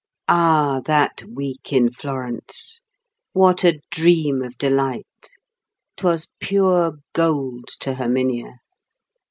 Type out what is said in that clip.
Ah, that week in Florence! What a dream of delight! 'Twas pure gold to Herminia.